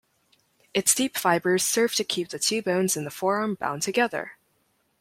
Its deep fibers serve to keep the two bones in the forearm bound together.